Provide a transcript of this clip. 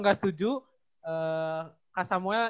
gak setuju kak samuel